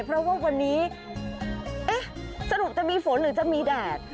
เพราะว่าวันนี้เอ๊ะสรุปจะมีฝนหรือจะมีแดด